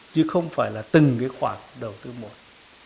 chứ không phải là từng khoản đầu tư một